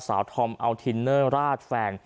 สาวทอมเอาทินเนอร์ราดแฟนจุดไฟเผาดิ้นทุราย